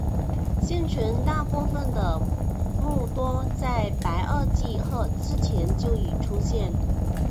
现存大部分的目多在白垩纪或之前就已出现。